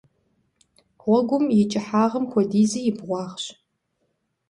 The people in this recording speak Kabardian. Гъуэгум и кӀыхьагъым хуэдизи и бгъуагъщ.